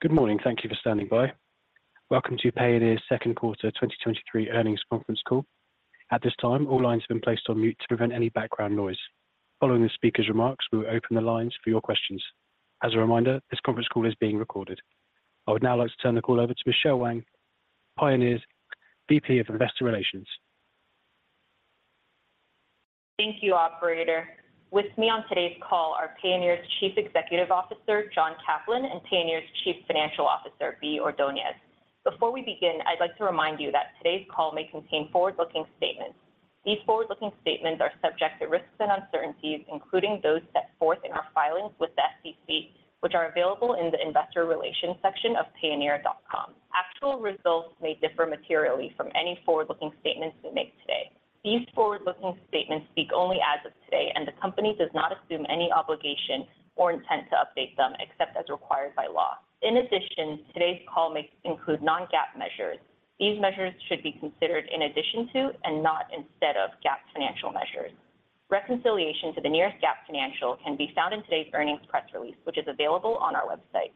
Good morning. Thank you for standing by. Welcome to Payoneer's second quarter 2023 earnings conference call. At this time, all lines have been placed on mute to prevent any background noise. Following the speaker's remarks, we will open the lines for your questions. As a reminder, this conference call is being recorded. I would now like to turn the call over to Michelle Wang, Payoneer's VP of Investor Relations. Thank you, operator. With me on today's call are Payoneer's Chief Executive Officer, John Caplan, and Payoneer's Chief Financial Officer, Bea Ordonez. Before we begin, I'd like to remind you that today's call may contain forward-looking statements. These forward-looking statements are subject to risks and uncertainties, including those set forth in our filings with the SEC, which are available in the Investor Relations section of payoneer.com. Actual results may differ materially from any forward-looking statements we make today. These forward-looking statements speak only as of today, and the Company does not assume any obligation or intent to update them, except as required by law. In addition, today's call may include non-GAAP measures. These measures should be considered in addition to, and not instead of, GAAP financial measures. Reconciliation to the nearest GAAP financial can be found in today's earnings press release, which is available on our website.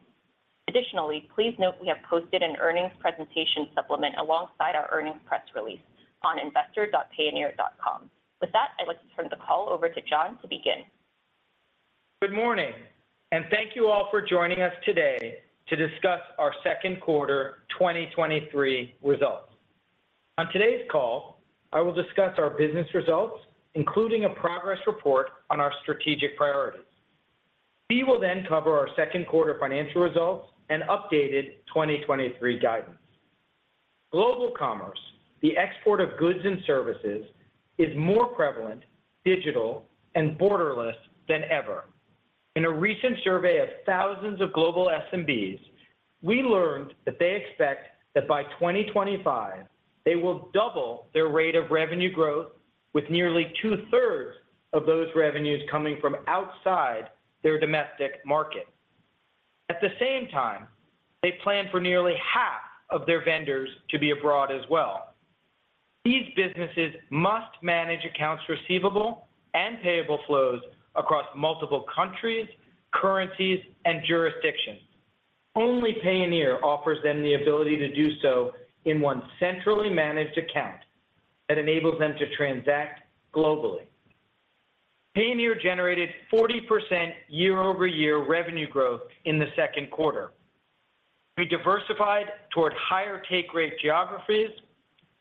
Additionally, please note we have posted an earnings presentation supplement alongside our earnings press release on investor.payoneer.com. With that, I'd like to turn the call over to John to begin. Good morning, and thank you all for joining us today to discuss our second quarter 2023 results. On today's call, I will discuss our business results, including a progress report on our strategic priorities. Bea will then cover our second quarter financial results and updated 2023 guidance. Global commerce, the export of goods and services, is more prevalent, digital, and borderless than ever. In a recent survey of thousands of global SMBs, we learned that they expect that by 2025, they will double their rate of revenue growth, with nearly two-thirds of those revenues coming from outside their domestic market. At the same time, they plan for nearly half of their vendors to be abroad as well. These businesses must manage accounts receivable and payable flows across multiple countries, currencies, and jurisdictions. Only Payoneer offers them the ability to do so in one centrally managed account that enables them to transact globally. Payoneer generated 40% year-over-year revenue growth in the second quarter. We diversified toward higher take-rate geographies,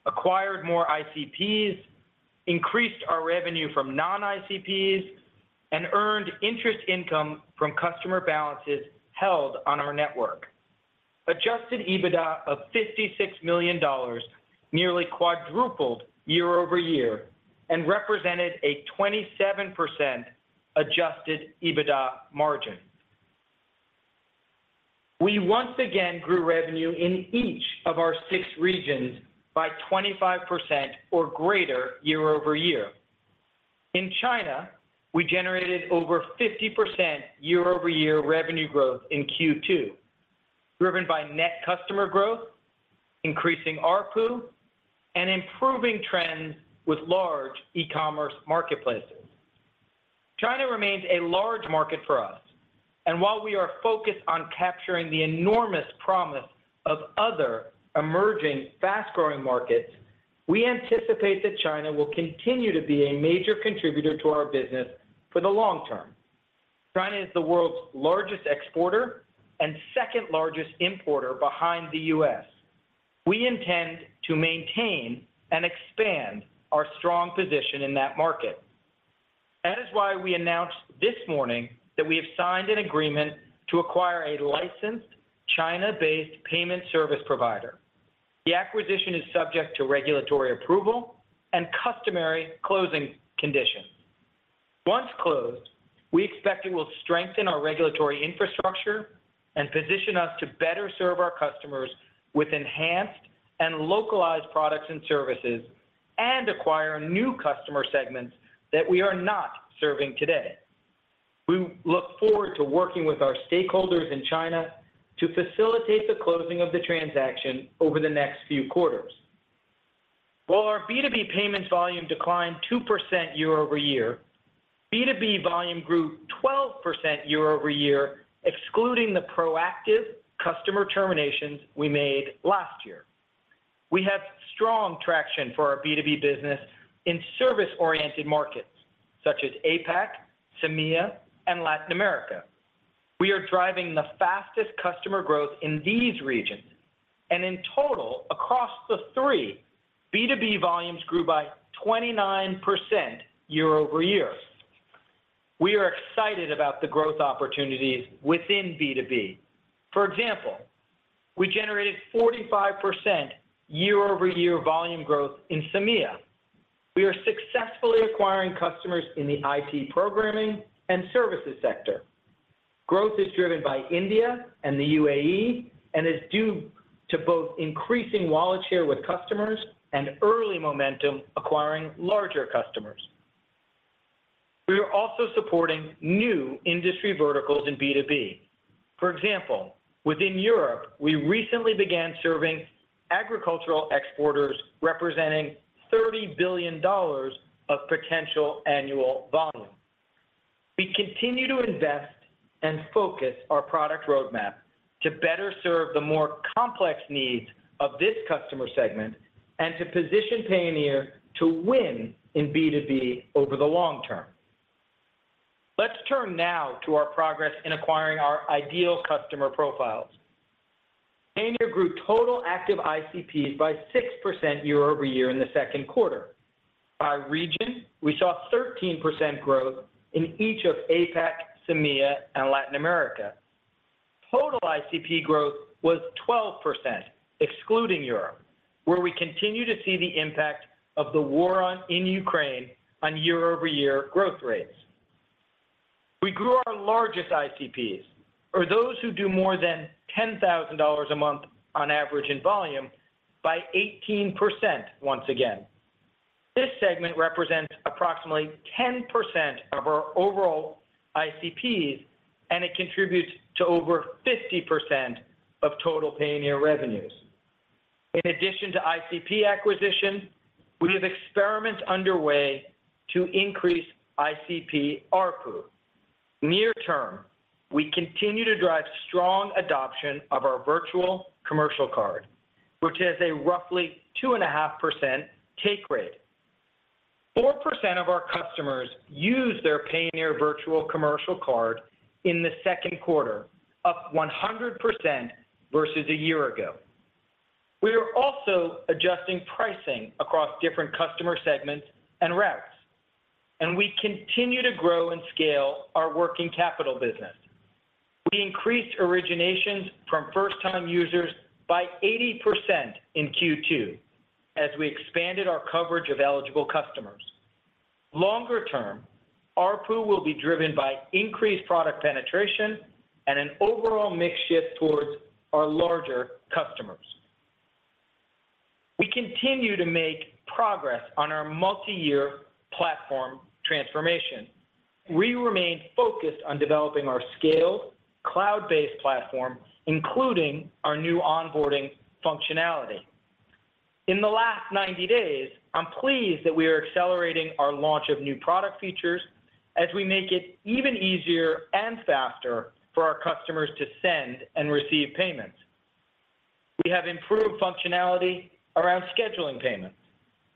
acquired more ICPs, increased our revenue from non-ICPs, and earned interest income from customer balances held on our network. Adjusted EBITDA of $56 million nearly quadrupled year-over-year and represented a 27% Adjusted EBITDA margin. We once again grew revenue in each of our 6 regions by 25% or greater year-over-year. In China, we generated over 50% year-over-year revenue growth in Q2, driven by net customer growth, increasing ARPU, and improving trends with large e-commerce marketplaces. China remains a large market for us, and while we are focused on capturing the enormous promise of other emerging, fast-growing markets, we anticipate that China will continue to be a major contributor to our business for the long term. China is the world's largest exporter and second-largest importer behind the US. We intend to maintain and expand our strong position in that market. That is why we announced this morning that we have signed an agreement to acquire a licensed China-based payment service provider. The acquisition is subject to regulatory approval and customary closing conditions. Once closed, we expect it will strengthen our regulatory infrastructure and position us to better serve our customers with enhanced and localized products and services, and acquire new customer segments that we are not serving today. We look forward to working with our stakeholders in China to facilitate the closing of the transaction over the next few quarters. While our B2B payments volume declined 2% year-over-year, B2B volume grew 12% year-over-year, excluding the proactive customer terminations we made last year. We have strong traction for our B2B business in service-oriented markets such as APAC, MEA, and Latin America. We are driving the fastest customer growth in these regions, and in total, across the three, B2B volumes grew by 29% year-over-year. We are excited about the growth opportunities within B2B. For example, we generated 45% year-over-year volume growth in MEA. We are successfully acquiring customers in the IT programming and services sector. Growth is driven by India and the UAE, and is due to both increasing wallet share with customers and early momentum acquiring larger customers. We are also supporting new industry verticals in B2B. For example, within Europe, we recently began serving agricultural exporters representing $30 billion of potential annual volume. We continue to invest and focus our product roadmap to better serve the more complex needs of this customer segment and to position Payoneer to win in B2B over the long term. Let's turn now to our progress in acquiring our ideal customer profiles. Payoneer grew total active ICPs by 6% year-over-year in the second quarter. By region, we saw 13% growth in each of APAC, CEMEA, and Latin America. Total ICP growth was 12%, excluding Europe, where we continue to see the impact of the war in Ukraine on year-over-year growth rates. We grew our largest ICPs, or those who do more than $10,000 a month on average in volume, by 18% once again. This segment represents approximately 10% of our overall ICPs, and it contributes to over 50% of total Payoneer revenues. In addition to ICP acquisition, we have experiments underway to increase ICP ARPU. Near term, we continue to drive strong adoption of our virtual commercial card, which has a roughly 2.5% take rate. 4% of our customers used their Payoneer virtual commercial card in the second quarter, up 100% versus a year ago. We are also adjusting pricing across different customer segments and routes, and we continue to grow and scale our working capital business. We increased originations from first-time users by 80% in Q2 as we expanded our coverage of eligible customers. Longer term, ARPU will be driven by increased product penetration and an overall mix shift towards our larger customers. We continue to make progress on our multi-year platform transformation. We remain focused on developing our scaled, cloud-based platform, including our new onboarding functionality. In the last 90 days, I'm pleased that we are accelerating our launch of new product features as we make it even easier and faster for our customers to send and receive payments. We have improved functionality around scheduling payments.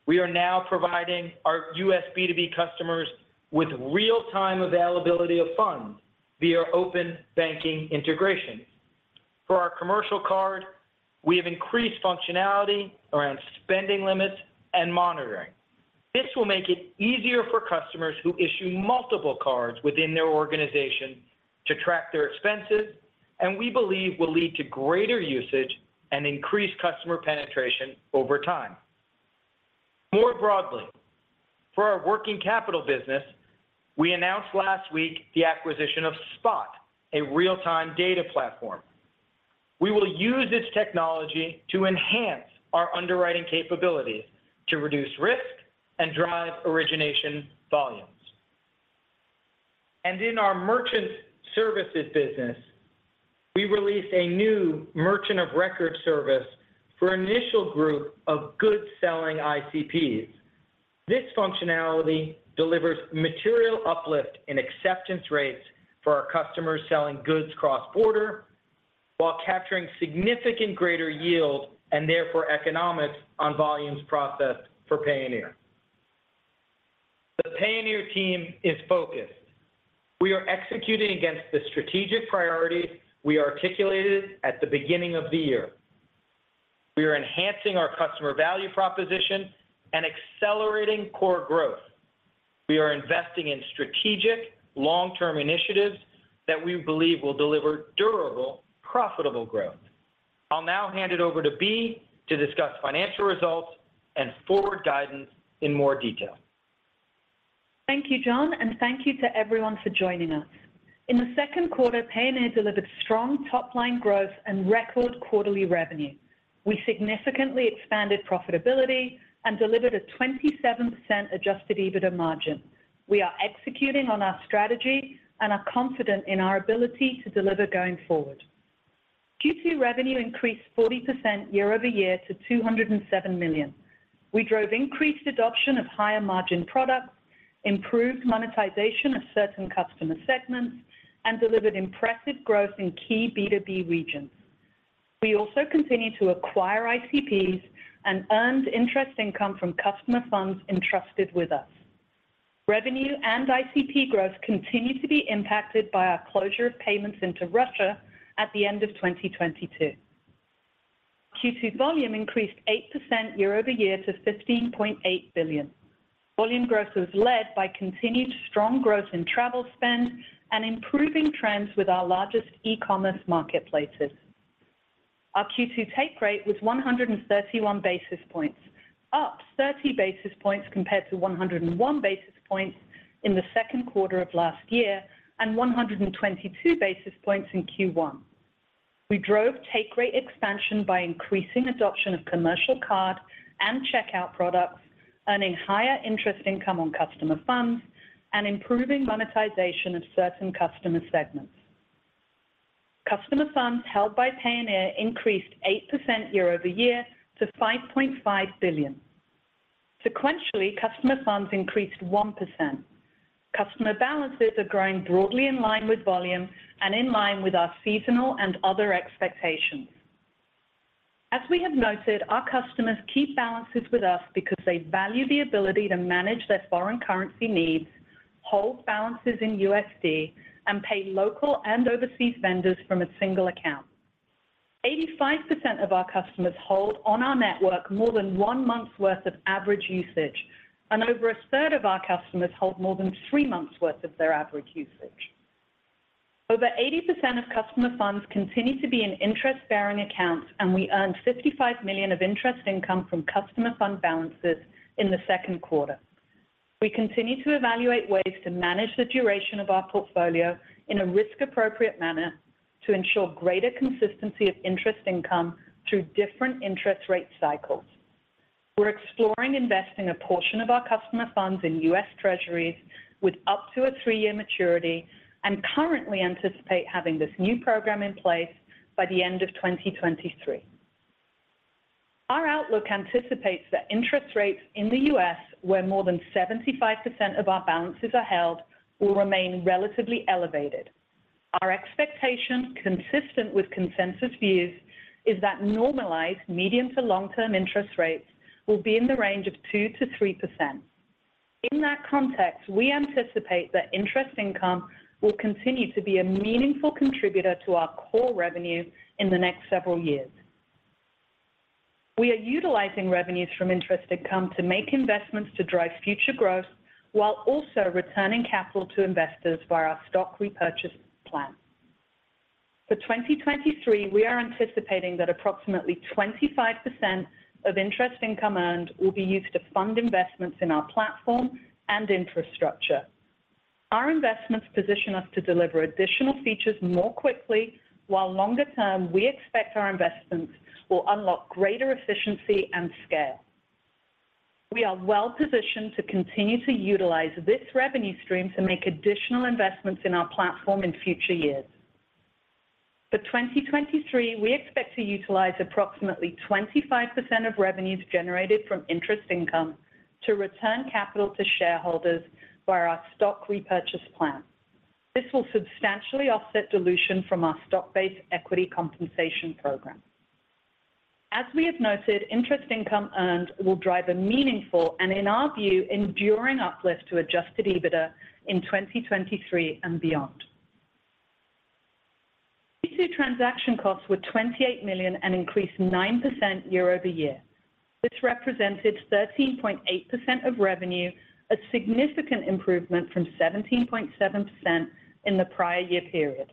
We are now providing our US B2B customers with real-time availability of funds via open banking integration. For our commercial card, we have increased functionality around spending limits and monitoring. This will make it easier for customers who issue multiple cards within their organization to track their expenses, and we believe will lead to greater usage and increased customer penetration over time. More broadly, for our working capital business, we announced last week the acquisition of Spott, a real-time data platform. We will use this technology to enhance our underwriting capabilities to reduce risk and drive origination volumes. In our merchant of record services business, we released a new merchant of record service for an initial group of good-selling ICPs. This functionality delivers material uplift in acceptance rates for our customers selling goods cross-border, while capturing significant greater yield and therefore economics on volumes processed for Payoneer. The Payoneer team is focused. We are executing against the strategic priorities we articulated at the beginning of the year. We are enhancing our customer value proposition and accelerating core growth. We are investing in strategic, long-term initiatives that we believe will deliver durable, profitable growth. I'll now hand it over to Bea to discuss financial results and forward guidance in more detail. Thank you, John, and thank you to everyone for joining us. In the second quarter, Payoneer delivered strong top-line growth and record quarterly revenue. We significantly expanded profitability and delivered a 27% Adjusted EBITDA margin. We are executing on our strategy and are confident in our ability to deliver going forward. Q2 revenue increased 40% year-over-year to $207 million. We drove increased adoption of higher-margin products, improved monetization of certain customer segments, and delivered impressive growth in key B2B regions. We also continued to acquire ICPs and earned interest income from customer funds entrusted with us. Revenue and ICPs growth continued to be impacted by our closure of payments into Russia at the end of 2022. Q2 volume increased 8% year-over-year to $15.8 billion. Volume growth was led by continued strong growth in travel spend and improving trends with our largest e-commerce marketplaces. Our Q2 take rate was 131 basis points, up 30 basis points compared to 101 basis points in the second quarter of last year and 122 basis points in Q1. We drove take rate expansion by increasing adoption of commercial card and checkout products, earning higher interest income on customer funds, and improving monetization of certain customer segments. Customer funds held by Payoneer increased 8% year-over-year to $5.5 billion. Sequentially, customer funds increased 1%. Customer balances are growing broadly in line with volume and in line with our seasonal and other expectations. As we have noted, our customers keep balances with us because they value the ability to manage their foreign currency needs, hold balances in USD, and pay local and overseas vendors from a single account. 85% of our customers hold on our network more than 1 month's worth of average usage, and over a third of our customers hold more than 3 months' worth of their average usage. Over 80% of customer funds continue to be in interest-bearing accounts, and we earned $55 million of interest income from customer fund balances in the second quarter. We continue to evaluate ways to manage the duration of our portfolio in a risk-appropriate manner to ensure greater consistency of interest income through different interest rate cycles. We're exploring investing a portion of our customer funds in U.S. Treasuries with up to a three-year maturity and currently anticipate having this new program in place by the end of 2023. Our outlook anticipates that interest rates in the U.S., where more than 75% of our balances are held, will remain relatively elevated. Our expectation, consistent with consensus views, is that normalized medium to long-term interest rates will be in the range of 2%-3%. In that context, we anticipate that interest income will continue to be a meaningful contributor to our core revenue in the next several years. We are utilizing revenues from interest income to make investments to drive future growth, while also returning capital to investors via our stock repurchase plan. For 2023, we are anticipating that approximately 25% of interest income earned will be used to fund investments in our platform and infrastructure. Our investments position us to deliver additional features more quickly, while longer term, we expect our investments will unlock greater efficiency and scale. We are well positioned to continue to utilize this revenue stream to make additional investments in our platform in future years. For 2023, we expect to utilize approximately 25% of revenues generated from interest income to return capital to shareholders via our stock repurchase plan. This will substantially offset dilution from our stock-based equity compensation program. As we have noted, interest income earned will drive a meaningful and, in our view, enduring uplift to Adjusted EBITDA in 2023 and beyond. Q2 transaction costs were $28 million and increased 9% year-over-year. This represented 13.8% of revenue, a significant improvement from 17.7% in the prior year period.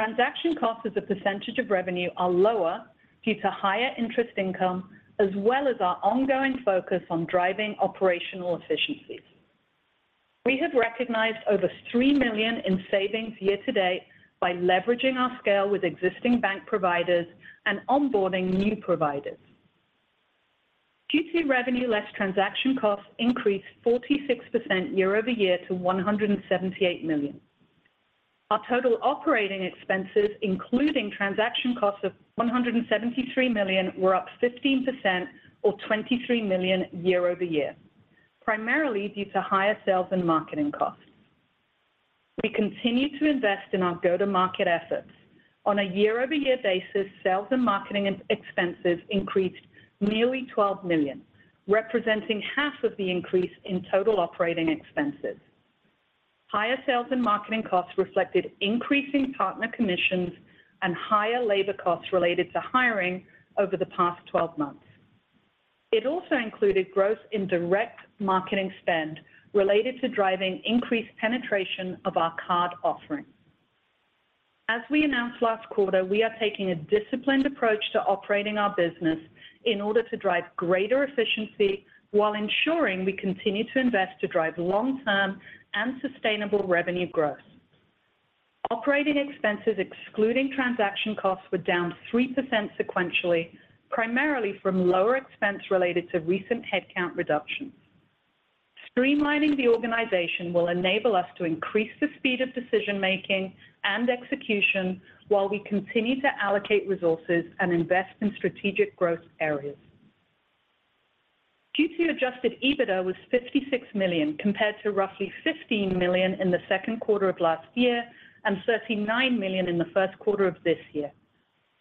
Transaction costs as a percentage of revenue are lower due to higher interest income, as well as our ongoing focus on driving operational efficiencies. We have recognized over $3 million in savings year to date by leveraging our scale with existing bank providers and onboarding new providers. Q2 revenue less transaction costs increased 46% year-over-year to $178 million. Our total operating expenses, including transaction costs of $173 million, were up 15% or $23 million year-over-year, primarily due to higher sales and marketing costs. We continue to invest in our go-to-market efforts. On a year-over-year basis, sales and marketing ex-expenses increased nearly $12 million, representing half of the increase in total operating expenses. Higher sales and marketing costs reflected increasing partner commissions and higher labor costs related to hiring over the past 12 months. It also included growth in direct marketing spend related to driving increased penetration of our card offerings. As we announced last quarter, we are taking a disciplined approach to operating our business in order to drive greater efficiency while ensuring we continue to invest to drive long-term and sustainable revenue growth. Operating expenses, excluding transaction costs, were down 3% sequentially, primarily from lower expense related to recent headcount reductions. Streamlining the organization will enable us to increase the speed of decision-making and execution while we continue to allocate resources and invest in strategic growth areas. Q2 Adjusted EBITDA was $56 million, compared to roughly $15 million in the second quarter of last year and $39 million in the first quarter of this year.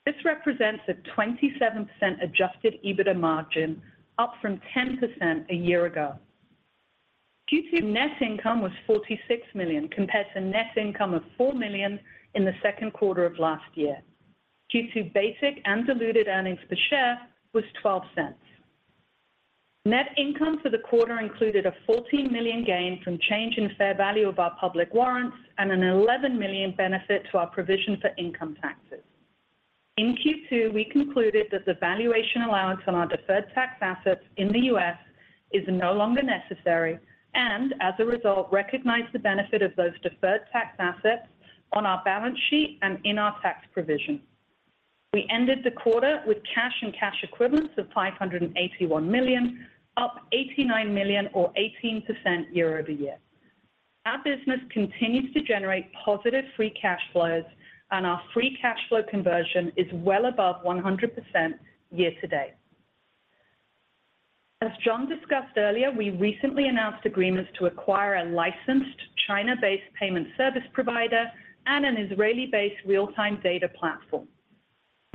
This represents a 27% Adjusted EBITDA margin, up from 10% a year ago. Q2 net income was $46 million, compared to net income of $4 million in the second quarter of last year. Q2 basic and diluted earnings per share was $0.12. Net income for the quarter included a $14 million gain from change in fair value of our public warrants and an $11 million benefit to our provision for income taxes. In Q2, we concluded that the valuation allowance on our deferred tax assets in the U.S. is no longer necessary, and as a result, recognized the benefit of those deferred tax assets on our balance sheet and in our tax provision.... We ended the quarter with cash and cash equivalents of $581 million, up $89 million or 18% year-over-year. Our business continues to generate positive free cash flows, and our free cash flow conversion is well above 100% year to date. As John discussed earlier, we recently announced agreements to acquire a licensed China-based payment service provider and an Israeli-based real-time data platform.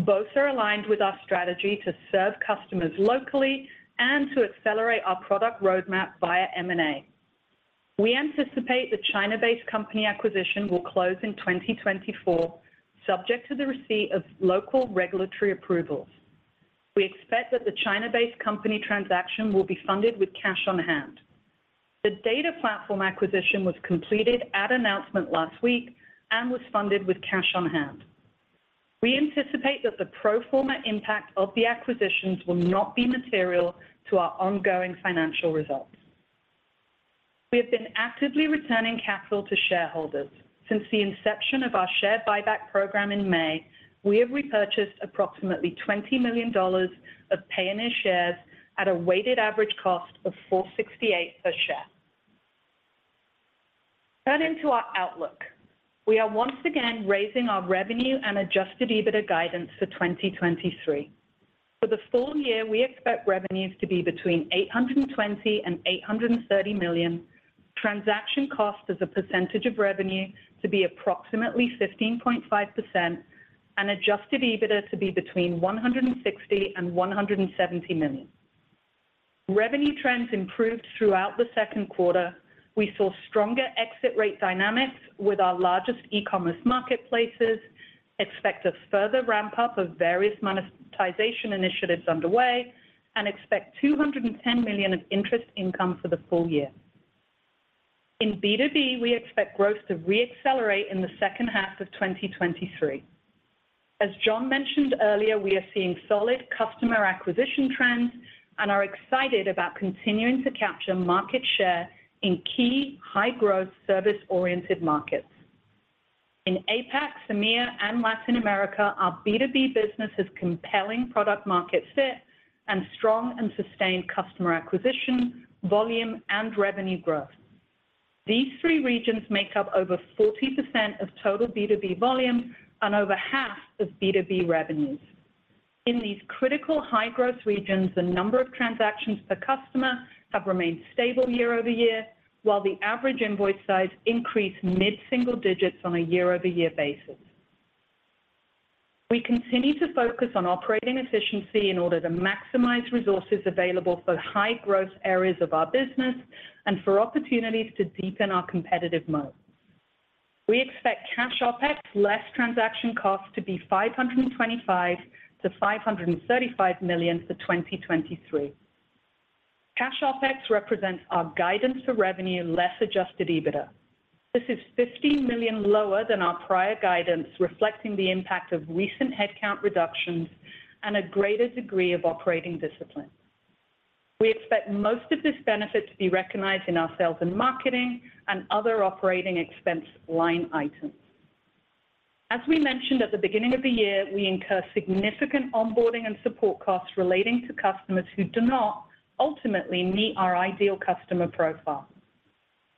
Both are aligned with our strategy to serve customers locally and to accelerate our product roadmap via M&A. We anticipate the China-based company acquisition will close in 2024, subject to the receipt of local regulatory approvals. We expect that the China-based company transaction will be funded with cash on hand. The data platform acquisition was completed at announcement last week and was funded with cash on hand. We anticipate that the pro forma impact of the acquisitions will not be material to our ongoing financial results. We have been actively returning capital to shareholders. Since the inception of our share buyback program in May, we have repurchased approximately $20 million of Payoneer shares at a weighted average cost of $4.68 per share. Turning to our outlook, we are once again raising our revenue and Adjusted EBITDA guidance for 2023. For the full year, we expect revenues to be between $820 million and $830 million. Transaction cost as a percentage of revenue to be approximately 15.5% and Adjusted EBITDA to be between $160 million and $170 million. Revenue trends improved throughout the second quarter. We saw stronger exit rate dynamics with our largest e-commerce marketplaces, expect a further ramp-up of various monetization initiatives underway, and expect $210 million of interest income for the full year. In B2B, we expect growth to re-accelerate in the second half of 2023. As John mentioned earlier, we are seeing solid customer acquisition trends and are excited about continuing to capture market share in key high-growth, service-oriented markets. In APAC, EMEA, and Latin America, our B2B business has compelling product market fit and strong and sustained customer acquisition, volume, and revenue growth. These three regions make up over 40% of total B2B volume and over half of B2B revenues. In these critical high-growth regions, the number of transactions per customer have remained stable year-over-year, while the average invoice size increased mid-single digits on a year-over-year basis. We continue to focus on operating efficiency in order to maximize resources available for high-growth areas of our business and for opportunities to deepen our competitive moat. We expect cash OpEx, less transaction costs, to be $525 million-$535 million for 2023. Cash OpEx represents our guidance for revenue less Adjusted EBITDA. This is $15 million lower than our prior guidance, reflecting the impact of recent headcount reductions and a greater degree of operating discipline. We expect most of this benefit to be recognized in our sales and marketing and other operating expense line items. As we mentioned at the beginning of the year, we incur significant onboarding and support costs relating to customers who do not ultimately meet our Ideal Customer Profile.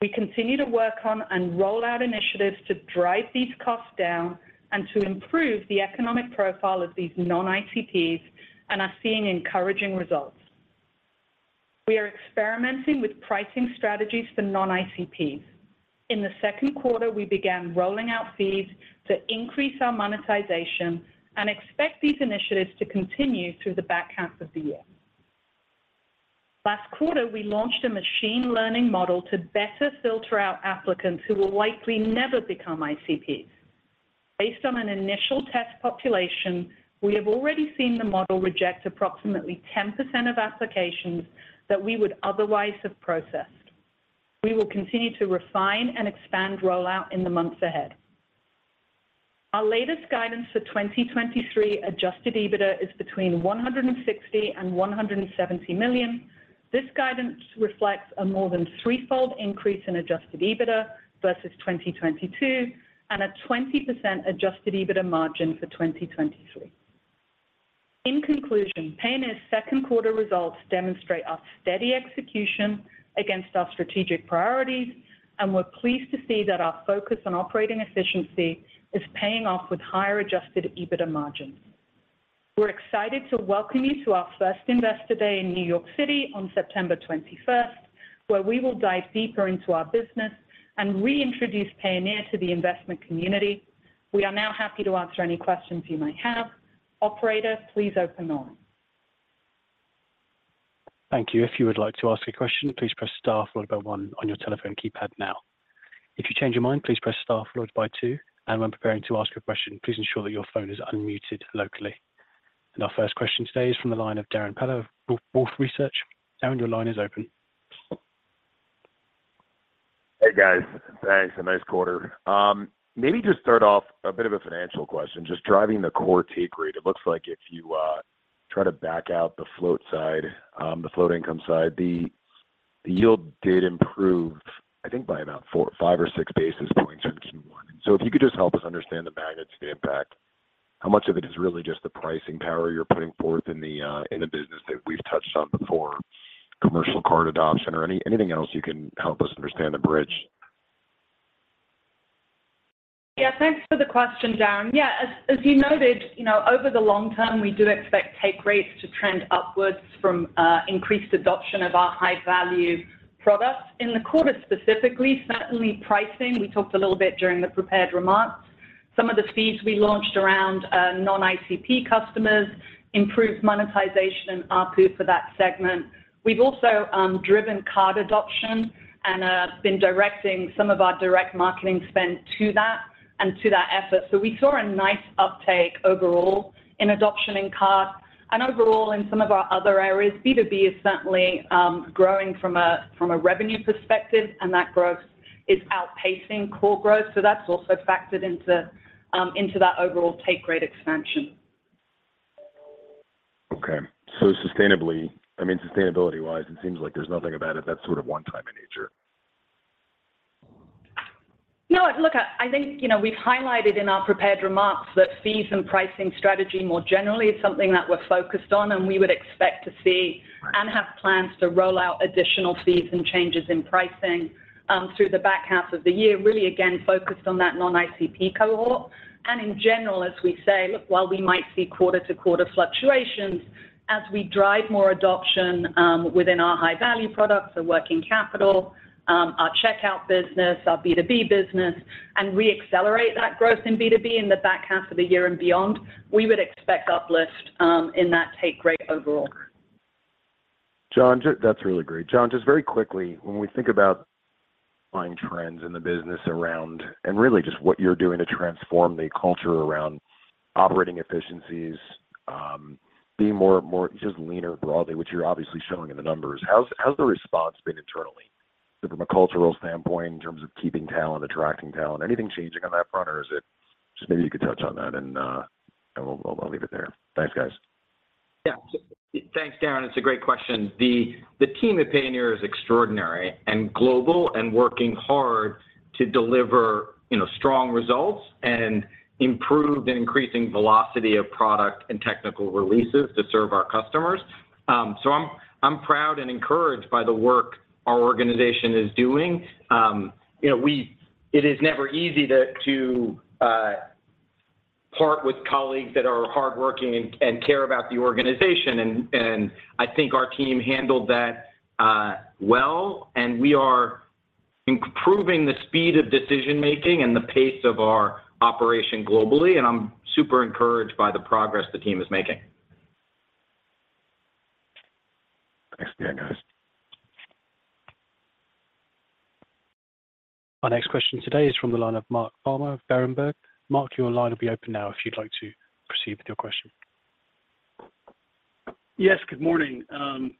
We continue to work on and roll out initiatives to drive these costs down and to improve the economic profile of these non-ICPs, and are seeing encouraging results. We are experimenting with pricing strategies for non-ICPs. In the second quarter, we began rolling out fees to increase our monetization and expect these initiatives to continue through the back half of the year. Last quarter, we launched a machine learning model to better filter out applicants who will likely never become ICPs. Based on an initial test population, we have already seen the model reject approximately 10% of applications that we would otherwise have processed. We will continue to refine and expand rollout in the months ahead. Our latest guidance for 2023 Adjusted EBITDA is between $160 million and $170 million. This guidance reflects a more than threefold increase in Adjusted EBITDA versus 2022 and a 20% Adjusted EBITDA margin for 2023. In conclusion, Payoneer's second quarter results demonstrate our steady execution against our strategic priorities, and we're pleased to see that our focus on operating efficiency is paying off with higher Adjusted EBITDA margins. We're excited to welcome you to our first Investor Day in New York City on September twenty-first, where we will dive deeper into our business and reintroduce Payoneer to the investment community. We are now happy to answer any questions you might have. Operator, please open the line. Thank you. If you would like to ask a question, please press star followed by 1 on your telephone keypad now. If you change your mind, please press star followed by 2, when preparing to ask a question, please ensure that your phone is unmuted locally. Our first question today is from the line of Darrin Peller of Wolfe Research. Darren, your line is open. Hey, guys. Thanks. A nice quarter. Maybe just start off a bit of a financial question, just driving the core take rate. It looks like if you try to back out the float side, the float income side, the yield did improve, I think, by about 4, 5 or 6 basis points in Q1. If you could just help us understand the magnitude of the impact, how much of it is really just the pricing power you're putting forth in the business that we've touched on before, commercial card adoption or anything else you can help us understand the bridge? Thanks for the question, Darren. As, as you noted, you know over the long term, we do expect take rates to trend upwards from increased adoption of our high-value products. In the quarter specifically, certainly pricing, we talked a little bit during the prepared remarks. Some of the fees we launched around non-ICP customers improved monetization and ARPU for that segment. We've also driven card adoption and been directing some of our direct marketing spend to that and to that effort. We saw a nice uptake overall in adoption in cards and overall in some of our other areas. B2B is certainly growing from a revenue perspective, and that growth is outpacing core growth, so that's also factored into that overall take rate expansion. Okay. sustainably, I mean, sustainability-wise, it seems like there's nothing about it that's sort of one-time in nature. No, look, I, I think, you know, we've highlighted in our prepared remarks that fees and pricing strategy, more generally, is something that we're focused on, and we would expect to see and have plans to roll out additional fees and changes in pricing through the back half of the year. Really, again, focused on that non-ICP cohort. In general, as we say, look, while we might see quarter-to-quarter fluctuations, as we drive more adoption within our high-value products, so Working Capital, our Checkout business, our B2B business, and reaccelerate that growth in B2B in the back half of the year and beyond, we would expect uplift in that take rate overall. John, ju-- That's really great. John, just very quickly, when we think about finding trends in the business around... and really just what you're doing to transform the culture around operating efficiencies, being more, more just leaner broadly, which you're obviously showing in the numbers, how's, how's the response been internally? From a cultural standpoint, in terms of keeping talent, attracting talent, anything changing on that front, or is it- just maybe you could touch on that, and we'll, we'll, I'll leave it there. Thanks, guys. Yeah. Thanks, Darren. It's a great question. The, the team at Payoneer is extraordinary and global and working hard to deliver, you know, strong results and improve the increasing velocity of product and technical releases to serve our customers. So I'm, I'm proud and encouraged by the work our organization is doing. You know, it is never easy to, to part with colleagues that are hardworking and, and care about the organization, and, and I think our team handled that well. We are improving the speed of decision making and the pace of our operation globally, and I'm super encouraged by the progress the team is making. Thanks again, guys. Our next question today is from the line of Mark Palmer of Berenberg. Mark, your line will be open now if you'd like to proceed with your question. Yes, good morning, and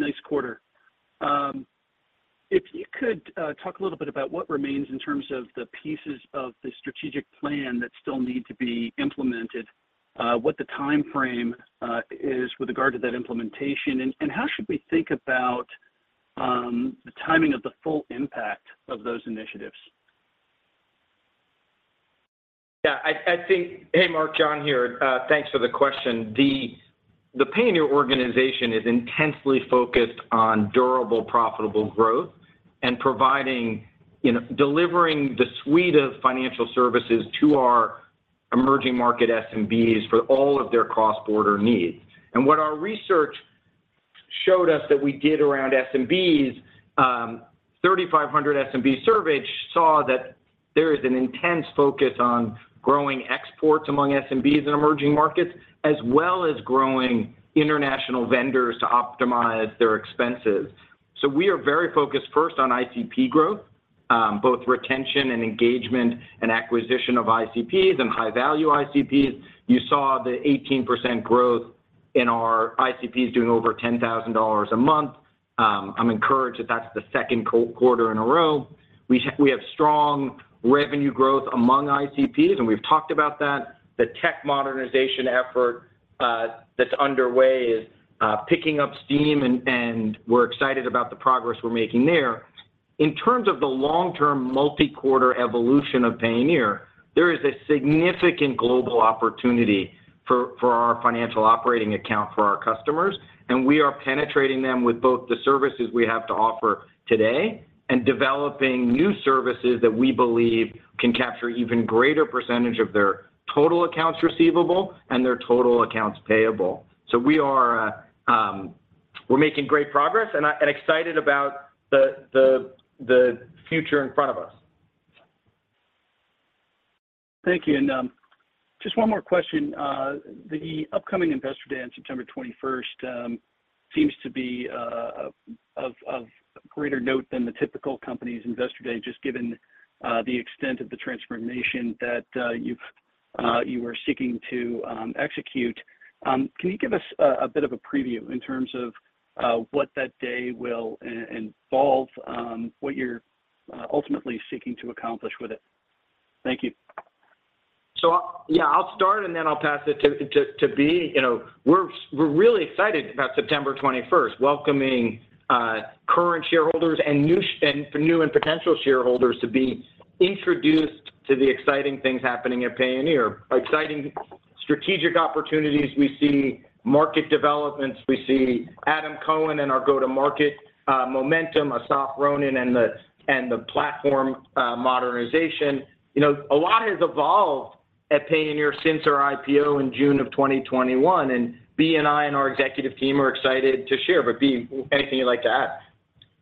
nice quarter. If you could, talk a little bit about what remains in terms of the pieces of the strategic plan that still need to be implemented, what the time frame, is with regard to that implementation, and how should we think about, the timing of the full impact of those initiatives? Yeah, Hey, Mark, John here. Thanks for the question. The Payoneer organization is intensely focused on durable, profitable growth and providing, you know, delivering the suite of financial services to our emerging market SMBs for all of their cross-border needs. What our research showed us that we did around SMBs, a 3,500 SMB survey saw that there is an intense focus on growing exports among SMBs in emerging markets, as well as growing international vendors to optimize their expenses. We are very focused first on ICP growth, both retention and engagement and acquisition of ICPs and high-value ICPs. You saw the 18% growth in our ICPs doing over $10,000 a month. I'm encouraged that that's the 2nd quarter in a row. We have, we have strong revenue growth among ICPs, and we've talked about that. The tech modernization effort, that's underway is, picking up steam, and, and we're excited about the progress we're making there. In terms of the long-term, multi-quarter evolution of Payoneer, there is a significant global opportunity for, for our financial operating account for our customers, and we are penetrating them with both the services we have to offer today and developing new services that we believe can capture even greater percentage of their total accounts receivable and their total accounts payable. We are, we're making great progress, and excited about the, the, the future in front of us. Thank you. And, just one more question. The upcoming Investor Day on September 21st seems to be of greater note than the typical company's Investor Day, just given the extent of the transformation that you are seeking to execute. Can you give us a bit of a preview in terms of what that day will involve, what you're ultimately seeking to accomplish with it? Thank you. ... Yeah, I'll start, and then I'll pass it to Bea. You know, we're really excited about September 21st, welcoming current shareholders and for new and potential shareholders to be introduced to the exciting things happening at Payoneer. Exciting strategic opportunities, we see market developments, we see Adam Cohen and our go-to-market momentum, Assaf Ronen and the platform modernization. You know, a lot has evolved at Payoneer since our IPO in June of 2021, and Bea and I and our executive team are excited to share. Bea, anything you'd like to add?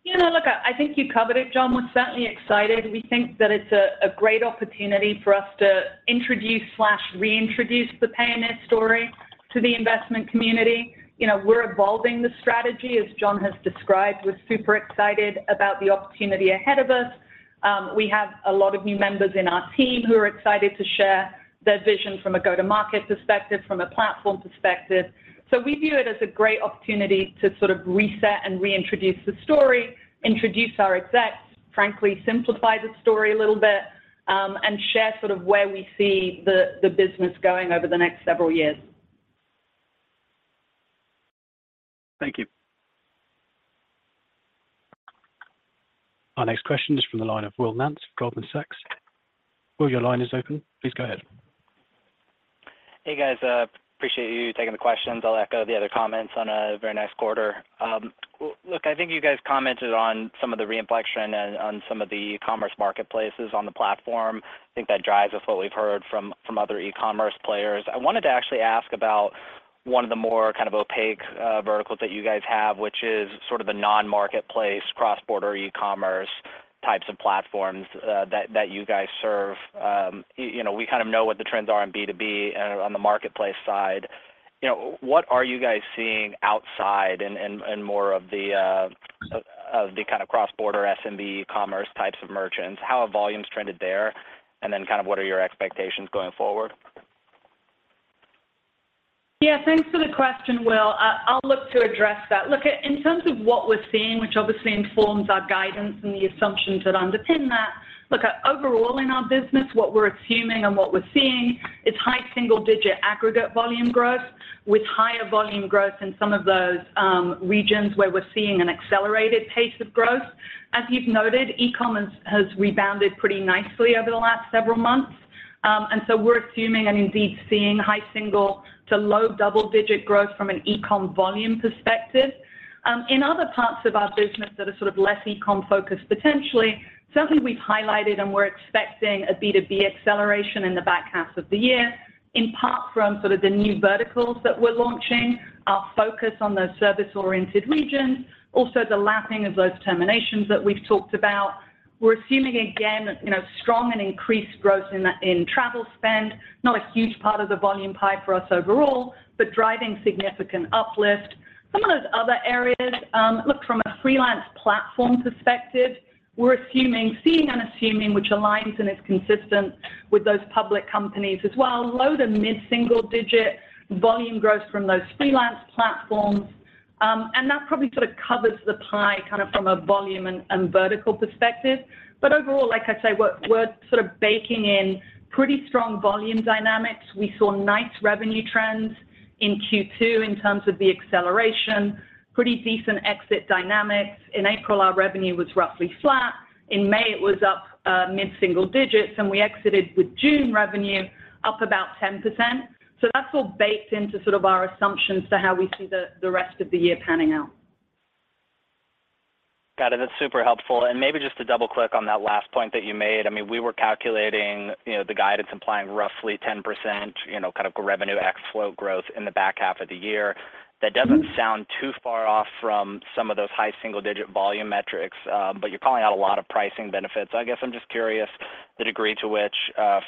You know, look, I, I think you covered it, John. We're certainly excited. We think that it's a great opportunity for us to introduce/reintroduce the Payoneer story to the investment community. You know, we're evolving the strategy, as John has described. We're super excited about the opportunity ahead of us. We have a lot of new members in our team who are excited to share their vision from a go-to-market perspective, from a platform perspective. We view it as a great opportunity to sort of reset and reintroduce the story, introduce our execs, frankly, simplify the story a little bit, and share sort of where we see the business going over the next several years. Thank you. Our next question is from the line of Will Nance, Goldman Sachs. Will, your line is open. Please go ahead. Hey, guys, appreciate you taking the questions. I'll echo the other comments on a very nice quarter. Look, I think you guys commented on some of the reflection and on some of the commerce marketplaces on the platform. I think that jives with what we've heard from, from other e-commerce players. I wanted to actually ask about one of the more kind of opaque verticals that you guys have, which is sort of the non-marketplace, cross-border e-commerce types of platforms that, that you guys serve. You know, we kind of know what the trends are in B2B and on the marketplace side. You know, what are you guys seeing outside and, and, and more of the of, of the kind of cross-border SMB commerce types of merchants? How have volumes trended there, and then kind of what are your expectations going forward? Yeah, thanks for the question, Will. I'll look to address that. Look, in terms of what we're seeing, which obviously informs our guidance and the assumptions that underpin that, look, overall in our business, what we're assuming and what we're seeing is high single-digit aggregate volume growth, with higher volume growth in some of those regions where we're seeing an accelerated pace of growth. As you've noted, e-commerce has rebounded pretty nicely over the last several months. So we're assuming and indeed seeing high single to low double-digit growth from an e-com volume perspective. In other parts of our business that are sort of less e-com focused, potentially, certainly we've highlighted and we're expecting a B2B acceleration in the back half of the year, in part from sort of the new verticals that we're launching, our focus on those service-oriented regions, also the lapping of those terminations that we've talked about. We're assuming, again, you know, strong and increased growth in travel spend. Not a huge part of the volume pie for us overall, but driving significant uplift. Some of those other areas, look, from a freelance platform perspective, we're assuming, seeing and assuming, which aligns and is consistent with those public companies as well, low to mid-single digit volume growth from those freelance platforms. That probably sort of covers the pie kind of from a volume and vertical perspective. Overall, like I say, we're, we're sort of baking in pretty strong volume dynamics. We saw nice revenue trends in Q2 in terms of the acceleration, pretty decent exit dynamics. In April, our revenue was roughly flat. In May, it was up mid-single digits, and we exited with June revenue up about 10%. That's all baked into sort of our assumptions for how we see the, the rest of the year panning out. Got it. That's super helpful. Maybe just to double-click on that last point that you made, I mean, we were calculating, you know, the guidance implying roughly 10%, you know, kind of revenue X flow growth in the back half of the year. Mm-hmm. That doesn't sound too far off from some of those high single-digit volume metrics, but you're calling out a lot of pricing benefits. I guess I'm just curious the degree to which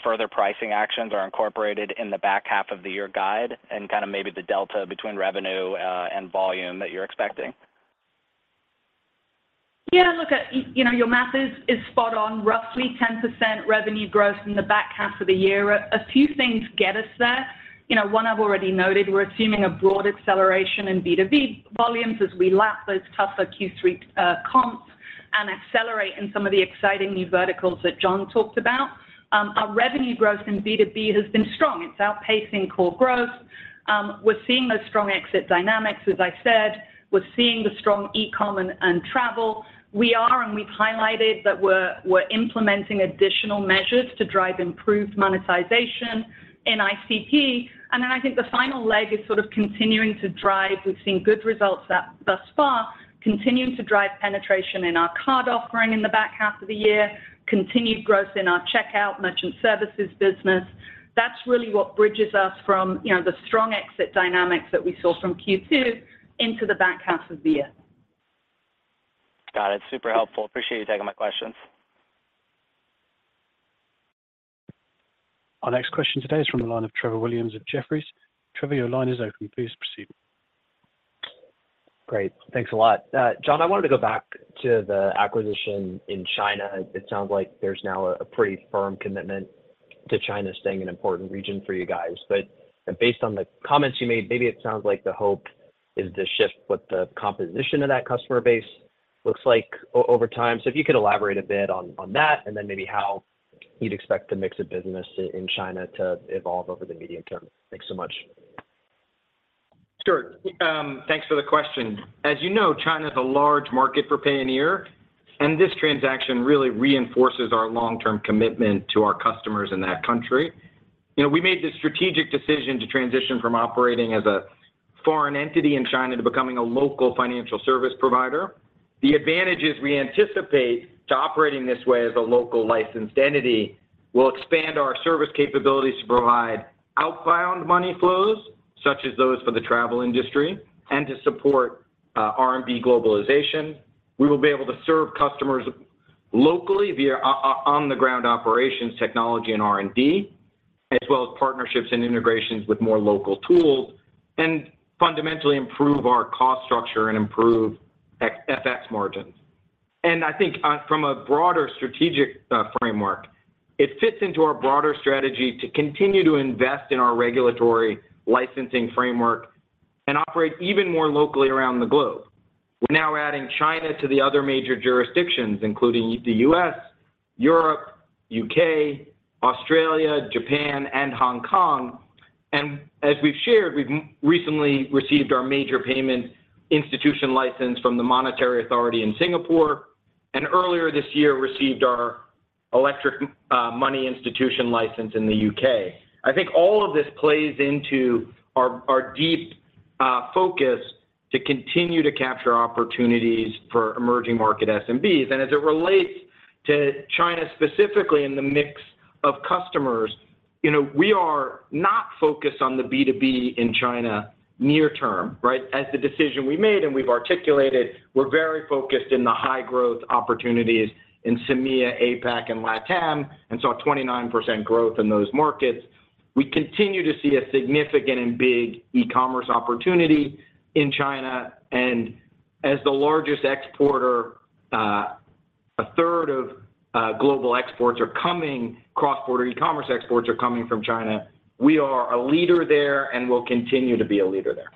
further pricing actions are incorporated in the back half of the year guide and kind of maybe the delta between revenue and volume that you're expecting? Yeah, look, you know, your math is, is spot on, roughly 10% revenue growth in the back half of the year. A few things get us there. You know, one I've already noted, we're assuming a broad acceleration in B2B volumes as we lap those tougher Q3 comps and accelerate in some of the exciting new verticals that John talked about. Our revenue growth in B2B has been strong. It's outpacing core growth. We're seeing those strong exit dynamics, as I said. We're seeing the strong e-com and travel. We are, and we've highlighted, that we're, we're implementing additional measures to drive improved monetization in ICP. Then I think the final leg is sort of continuing to drive. We've seen good results that thus far, continuing to drive penetration in our card offering in the back half of the year, continued growth in our checkout Merchant Services business. That's really what bridges us from, you know, the strong exit dynamics that we saw from Q2 into the back half of the year. Got it. Super helpful. Appreciate you taking my questions. Our next question today is from the line of Trevor Williams of Jefferies. Trevor, your line is open. Please proceed. Great. Thanks a lot. John, I wanted to go back to the acquisition in China. It sounds like there's now a pretty firm commitment to China staying an important region for you guys. Based on the comments you made, maybe it sounds like the hope is to shift what the composition of that customer base?... looks like over time. If you could elaborate a bit on, on that, and then maybe how you'd expect the mix of business in, in China to evolve over the medium term. Thanks so much. Sure. thanks for the question. As you know, China is a large market for Payoneer, and this transaction really reinforces our long-term commitment to our customers in that country. You know, we made the strategic decision to transition from operating as a foreign entity in China to becoming a local financial service provider. The advantages we anticipate to operating this way as a local licensed entity, will expand our service capabilities to provide outbound money flows, such as those for the travel industry, and to support R&D globalization. We will be able to serve customers locally via on-the-ground operations, technology, and R&D, as well as partnerships and integrations with more local tools, and fundamentally improve our cost structure and improve FX margins. I think from a broader strategic framework, it fits into our broader strategy to continue to invest in our regulatory licensing framework and operate even more locally around the globe. We're now adding China to the other major jurisdictions, including the U.S., Europe, U.K., Australia, Japan, and Hong Kong. As we've shared, we've recently received our Major Payment Institution Licence from the Monetary Authority of Singapore, and earlier this year, received our Electronic Money Institution Licence in the U.K. I think all of this plays into our deep focus to continue to capture opportunities for emerging market SMBs. As it relates to China, specifically in the mix of customers, you know, we are not focused on the B2B in China near term, right? As the decision we made and we've articulated, we're very focused in the high-growth opportunities in MEA, APAC, and LATAM, and saw a 29% growth in those markets. We continue to see a significant and big e-commerce opportunity in China, and as the largest exporter, a third of global exports cross-border e-commerce exports are coming from China. We are a leader there and will continue to be a leader there.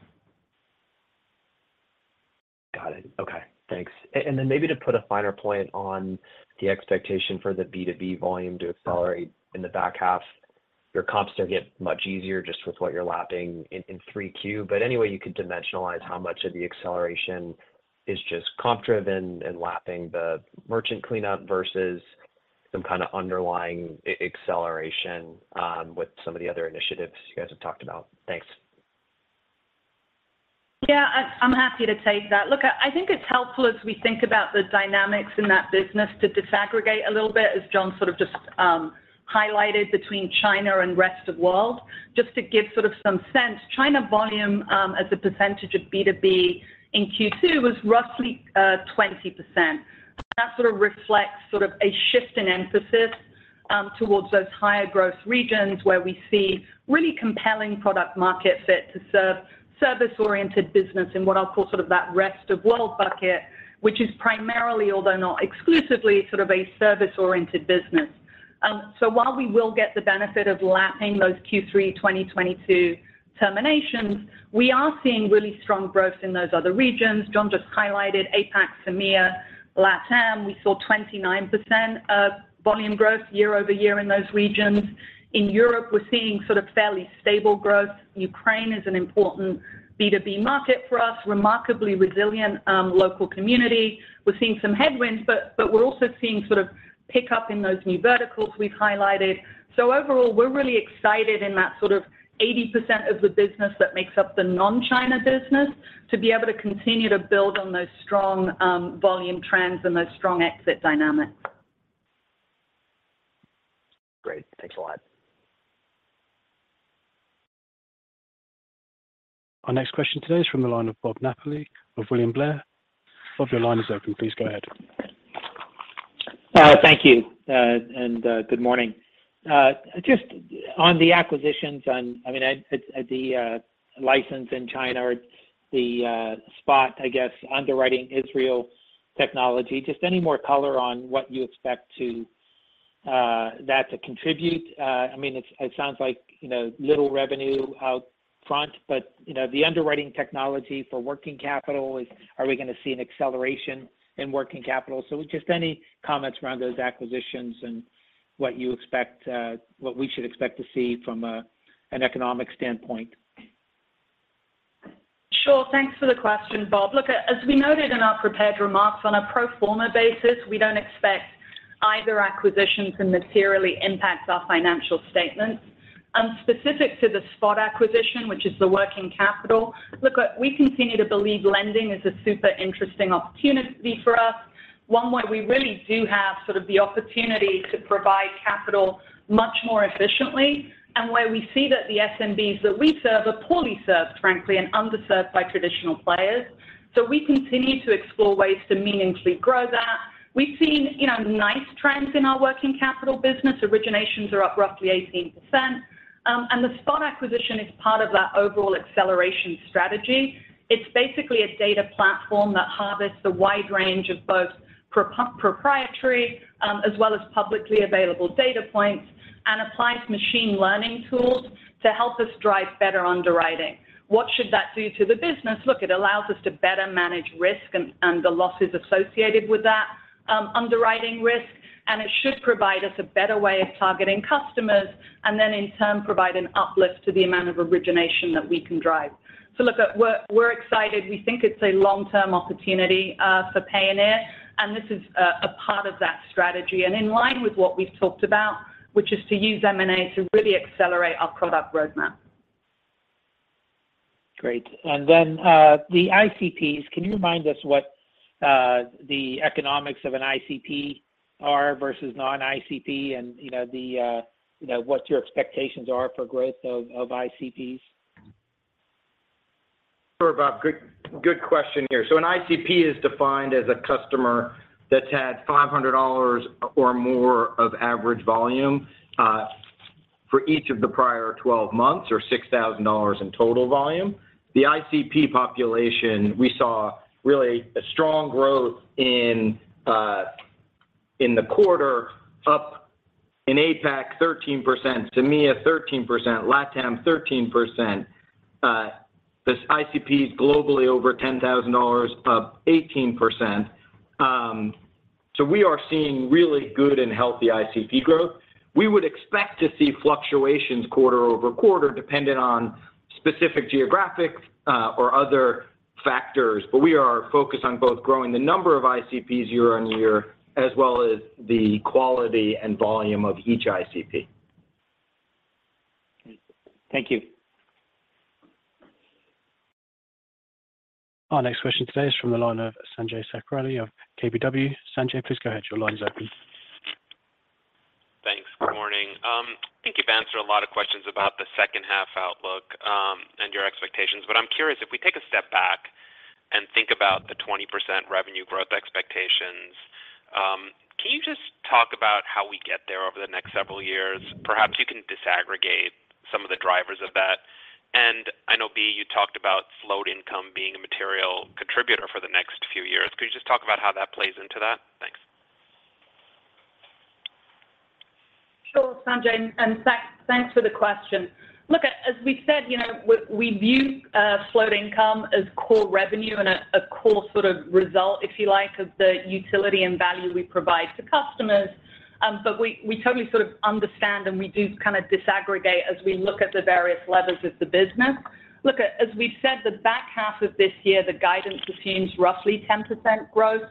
Got it. Okay, thanks. Then maybe to put a finer point on the expectation for the B2B volume to accelerate in the back half, your comps don't get much easier just with what you're lapping in, in 3Q. Any way you could dimensionalize how much of the acceleration is just comp driven and lapping the merchant cleanup versus some kind of underlying acceleration with some of the other initiatives you guys have talked about? Thanks. Yeah, I, I'm happy to take that. Look, I, I think it's helpful as we think about the dynamics in that business to disaggregate a little bit, as John sort of just highlighted between China and rest of world. Just to give sort of some sense, China volume, as a percentage of B2B in Q2 was roughly 20%. That sort of reflects sort of a shift in emphasis, towards those higher growth regions, where we see really compelling product market fit to serve service-oriented business in what I'll call sort of that rest-of-world bucket, which is primarily, although not exclusively, sort of a service-oriented business. While we will get the benefit of lapping those Q3 2022 terminations, we are seeing really strong growth in those other regions. John just highlighted APAC, MEA, LATAM. We saw 29% of volume growth year over year in those regions. In Europe, we're seeing sort of fairly stable growth. Ukraine is an important B2B market for us, remarkably resilient, local community. We're seeing some headwinds, but, but we're also seeing sort of pick up in those new verticals we've highlighted. So overall, we're really excited in that sort of 80% of the business that makes up the non-China business, to be able to continue to build on those strong, volume trends and those strong exit dynamics. Great. Thanks a lot. Our next question today is from the line of Bob Napoli of William Blair. Bob, your line is open. Please go ahead. Thank you, and good morning. Just on the acquisitions on... I mean, at, at, the license in China or the Spott, I guess, underwriting Israel technology, just any more color on what you expect to that to contribute? I mean, it, it sounds like, you know, little revenue out front, but, you know, the underwriting technology for working capital, is- are we going to see an acceleration in working capital? Just any comments around those acquisitions and what you expect, what we should expect to see from an an economic standpoint? Sure. Thanks for the question, Bob. Look, as we noted in our prepared remarks, on a pro forma basis, we don't expect either acquisition to materially impact our financial statements. Specific to the Spott acquisition, which is the working capital, look, we continue to believe lending is a super interesting opportunity for us. One, where we really do have sort of the opportunity to provide capital much more efficiently, and where we see that the SMBs that we serve are poorly served, frankly, and underserved by traditional players. We continue to explore ways to meaningfully grow that. We've seen, you know, nice trends in our working capital business. Originations are up roughly 18%. The Spott acquisition is part of that overall acceleration strategy. It's basically a data platform that harvests a wide range of both, ... proprietary, as well as publicly available data points and applies machine learning tools to help us drive better underwriting. What should that do to the business? Look, it allows us to better manage risk and the losses associated with that underwriting risk, and it should provide us a better way of targeting customers, and then in turn, provide an uplift to the amount of origination that we can drive. Look, we're excited. We think it's a long-term opportunity for Payoneer, and this is a part of that strategy. In line with what we've talked about, which is to use M&A to really accelerate our product roadmap. Great. Then, the ICPs, can you remind us what, the economics of an ICP are versus non-ICP and, you know, the, you know, what your expectations are for growth of, of ICPs? Sure, Bob. Good, good question here. An ICP is defined as a customer that's had $500 or more of average volume, for each of the prior 12 months or $6,000 in total volume. The ICP population, we saw really a strong growth in the quarter, up in APAC, 13%, CEMEA, 13%, LatAm, 13%. This ICP is globally over $10,000, up 18%. We are seeing really good and healthy ICP growth. We would expect to see fluctuations quarter-over-quarter, depending on specific geographics, or other factors. We are focused on both growing the number of ICPs year-on-year, as well as the quality and volume of each ICP. Thank you. Our next question today is from the line of Sanjay Sakhrani of KBW. Sanjay, please go ahead. Your line is open. Thanks. Good morning. I think you've answered a lot of questions about the second half outlook, and your expectations, but I'm curious: if we take a step back and think about the 20% revenue growth expectations, can you just talk about how we get there over the next several years? Perhaps you can disaggregate some of the drivers of that. And I know, Bea, you talked about float income being a material contributor for the next few years. Could you just talk about how that plays into that? Thanks. Sure, Sanjay, and thanks for the question. Look, as we've said, you know, we, we view float income as core revenue and a, a core sort of result, if you like, of the utility and value we provide to customers. We, we totally sort of understand, and we do kind of disaggregate as we look at the various levers of the business. Look, as we've said, the back half of this year, the guidance assumes roughly 10% growth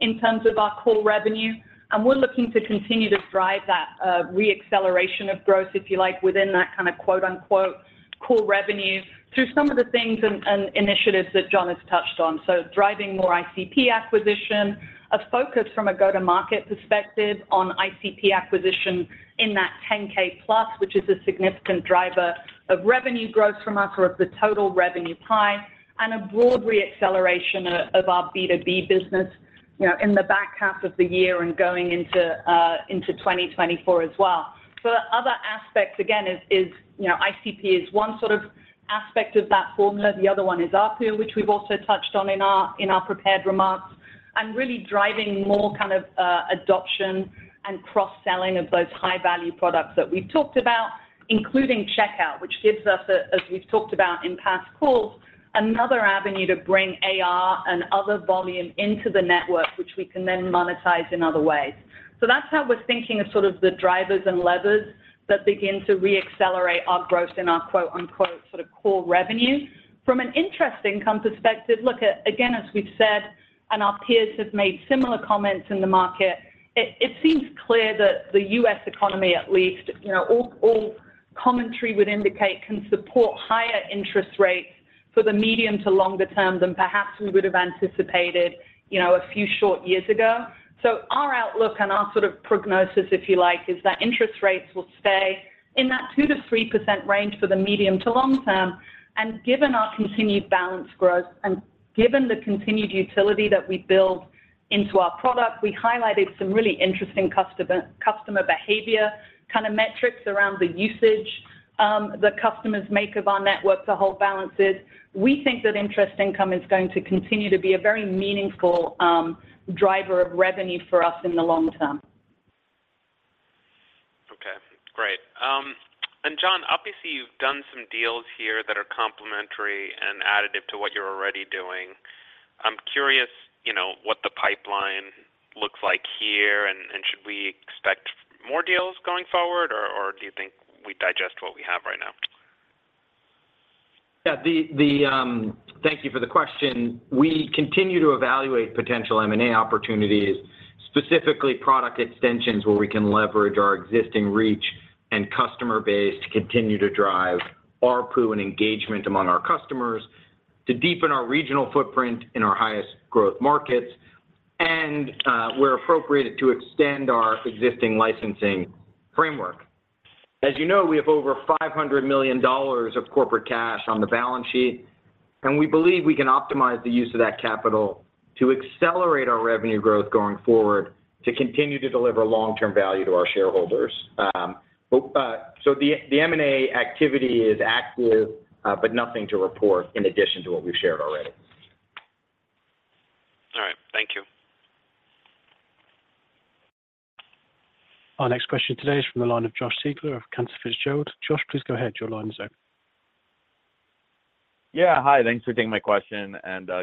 in terms of our core revenue, and we're looking to continue to drive that re-acceleration of growth, if you like, within that kind of, quote-unquote, core revenue through some of the things and, and initiatives that John has touched on. Driving more ICP acquisition, a focus from a go-to-market perspective on ICP acquisition in that 10K+, which is a significant driver of revenue growth from us or of the total revenue pie, and a broad re-acceleration of our B2B business, you know, in the back half of the year and going into 2024 as well. The other aspect, again, is, you know, ICP is one sort of aspect of that formula. The other one is ARPU, which we've also touched on in our prepared remarks, and really driving more kind of adoption and cross-selling of those high-value products that we've talked about, including checkout, which gives us, as we've talked about in past calls, another avenue to bring AR and other volume into the network, which we can then monetize in other ways. That's how we're thinking of sort of the drivers and levers that begin to re-accelerate our growth in our, quote-unquote, sort of core revenue. From an interest income perspective, look, again, as we've said, and our peers have made similar comments in the market, it, it seems clear that the U.S. economy, at least, you know, all, all commentary would indicate, can support higher interest rates for the medium to longer term than perhaps we would have anticipated, you know, a few short years ago. Our outlook and our sort of prognosis, if you like, is that interest rates will stay in that 2%-3% range for the medium to long term. Given our continued balance growth and given the continued utility that we build into our product, we highlighted some really interesting customer, customer behavior kind of metrics around the usage that customers make of our network to hold balances. We think that interest income is going to continue to be a very meaningful driver of revenue for us in the long term. Okay, great. John, obviously, you've done some deals here that are complementary and additive to what you're already doing. I'm curious, you know, what the pipeline looks like here, and, should we expect more deals going forward, or, do you think we digest what we have right now? Yeah. Thank you for the question. We continue to evaluate potential M&A opportunities, specifically product extensions, where we can leverage our existing reach and customer base to continue to drive ARPU and engagement among our customers, to deepen our regional footprint in our highest growth markets, and, where appropriate, to extend our existing licensing framework. As you know, we have over $500 million of corporate cash on the balance sheet, and we believe we can optimize the use of that capital to accelerate our revenue growth going forward. To continue to deliver long-term value to our shareholders. So the, the M&A activity is active, but nothing to report in addition to what we've shared already. All right. Thank you. Our next question today is from the line of Josh Siegler of Canaccord Genuity. Josh, please go ahead. Your line is open. Yeah, hi. Thanks for taking my question,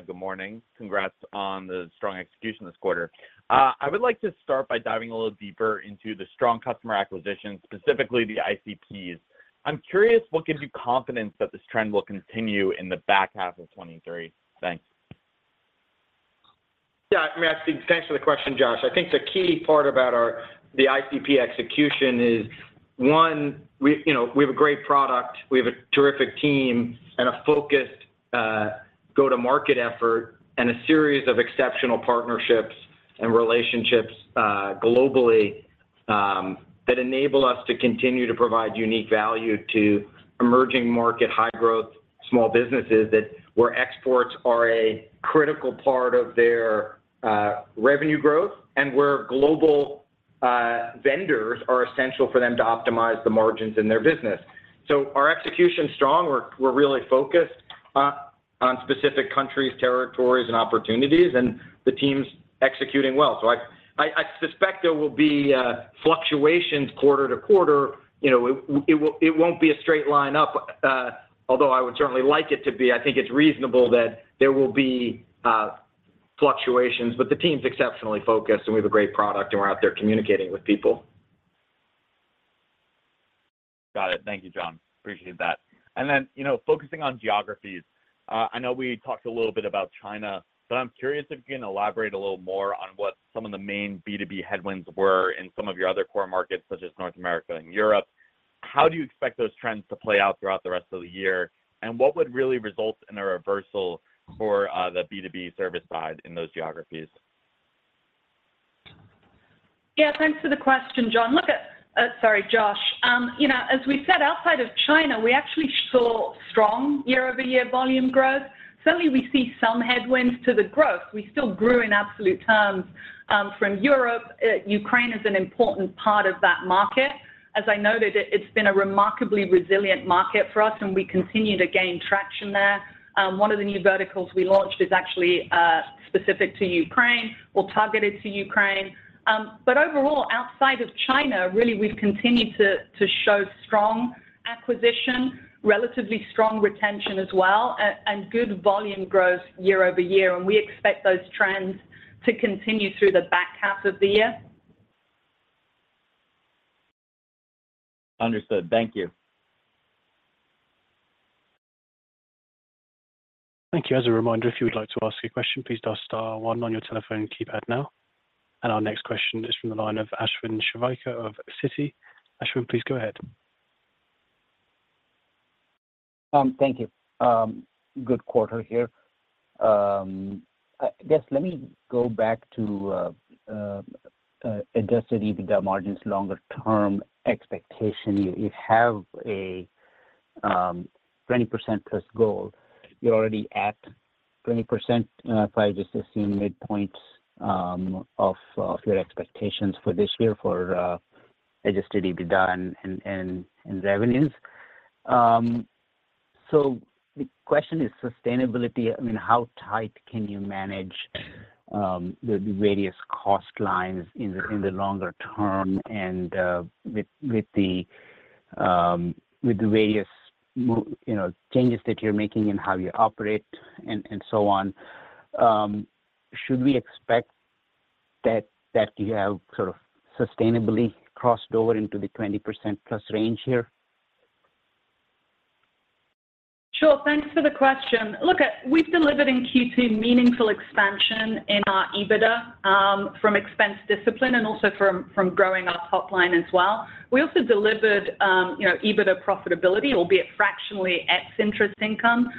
good morning. Congrats on the strong execution this quarter. I would like to start by diving a little deeper into the strong customer acquisition, specifically the ICPs. I'm curious, what gives you confidence that this trend will continue in the back half of 2023? Thanks. Yeah, I mean, thanks for the question, Josh. I think the key part about our, the ICP execution is, one, we, you know, we have a great product, we have a terrific team, and a focused, go-to-market effort, and a series of exceptional partnerships and relationships, globally, that enable us to continue to provide unique value to emerging market, high-growth, small businesses that where exports are a critical part of their, revenue growth and where global, vendors are essential for them to optimize the margins in their business. Our execution's strong. We're, we're really focused on specific countries, territories, and opportunities, and the team's executing well. I, I, I suspect there will be fluctuations quarter to quarter. You know, it, it won't, it won't be a straight line up, although I would certainly like it to be. I think it's reasonable that there will be fluctuations, but the team's exceptionally focused, and we have a great product, and we're out there communicating with people. Got it. Thank you, John. Appreciate that. You know, focusing on geographies, I know we talked a little bit about China, but I'm curious if you can elaborate a little more on what some of the main B2B headwinds were in some of your other core markets, such as North America and Europe. How do you expect those trends to play out throughout the rest of the year, and what would really result in a reversal for the B2B service side in those geographies? Yeah, thanks for the question, John. Look at, Sorry, Josh. You know, as we said, outside of China, we actually saw strong year-over-year volume growth. Certainly, we see some headwinds to the growth. We still grew in absolute terms, from Europe. Ukraine is an important part of that market. As I noted, it, it's been a remarkably resilient market for us, and we continue to gain traction there. One of the new verticals we launched is actually specific to Ukraine or targeted to Ukraine. But overall, outside of China, really, we've continued to, to show strong acquisition, relatively strong retention as well, and good volume growth year-over-year, and we expect those trends to continue through the back half of the year. Understood. Thank you. Thank you. As a reminder, if you would like to ask a question, please dial star one on your telephone keypad now. Our next question is from the line of Ashwin Shirvaikar of Citigroup. Ashwin, please go ahead. Thank you. Good quarter here. Let me go back to Adjusted EBITDA margins longer term expectation. You have a 20%+ goal. You're already at 20%, if I just assume midpoints of your expectations for this year for Adjusted EBITDA and revenues. The question is sustainability. I mean, how tight can you manage the various cost lines in the longer term and with the various you know, changes that you're making in how you operate and so on? Should we expect that you have sort of sustainably crossed over into the 20%+ range here? Sure. Thanks for the question. Look, we've delivered in Q2 meaningful expansion in our EBITDA from expense discipline and also from, from growing our top line as well. We also delivered, you know, EBITDA profitability, albeit fractionally, ex-interest income.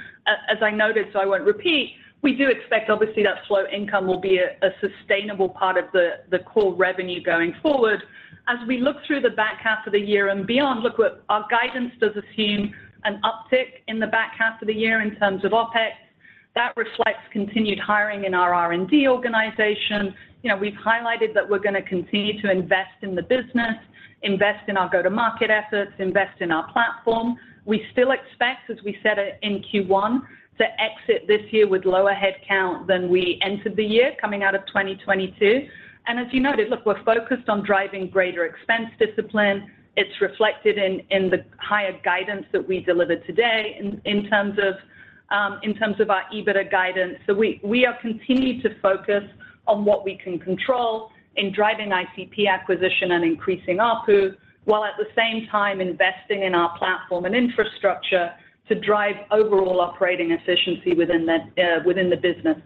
As I noted, so I won't repeat, we do expect, obviously, that float income will be a, a sustainable part of the, the core revenue going forward. As we look through the back half of the year and beyond, look, our guidance does assume an uptick in the back half of the year in terms of OpEx. That reflects continued hiring in our R&D organization. You know, we're gonna continue to invest in the business, invest in our go-to-market efforts, invest in our platform. We still expect, as we said it in Q1, to exit this year with lower head count than we entered the year coming out of 2022. As you noted, look, we're focused on driving greater expense discipline. It's reflected in, in the higher guidance that we delivered today in, in terms of, in terms of our EBITDA guidance. We, we are continued to focus on what we can control in driving ICP acquisition and increasing ARPU, while at the same time, investing in our platform and infrastructure to drive overall operating efficiency within the, within the business.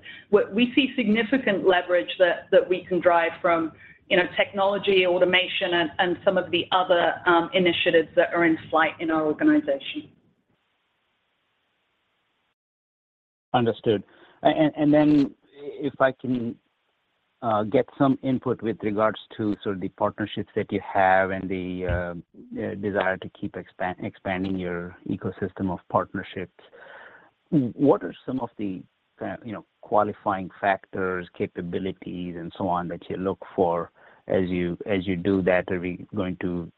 We see significant leverage that, that we can drive from, you know, technology, automation, and, and some of the other initiatives that are in flight in our organization. Understood. And then if I can get some input with regards to sort of the partnerships that you have and the desire to keep expanding your ecosystem of partnerships. What are some of the, you know, qualifying factors, capabilities, and so on, that you look for as you, as you do that? Are we going to,